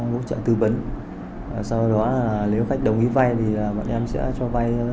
phát tờ rơi sau đó thì những khách hàng gọi điện thì bọn em sẽ đến cửa hàng em và em sẽ hỗ trợ tư vấn